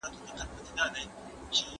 ¬ خواره زه وم، په خوار کلي واده وم.